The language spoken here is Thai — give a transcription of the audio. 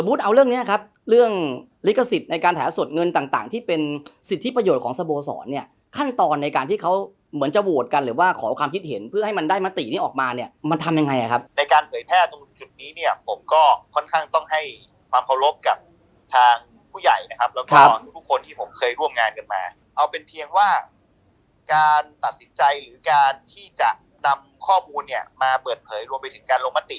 คุดเอาเรื่องนี้ครับเรื่องลิขสิทธิ์ในการแถวแต่าสวดเงินต่างที่เป็นสิทธิประโยชน์ของสโบสร